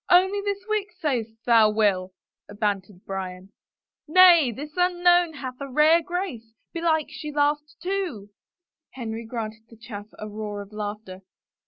" Only this week, sayest thou. Will ?" bantered Bryan. " Nay, this unknown hath a rare grace — belike she last two 1 " Henry granted the chaflF a roar of laughter.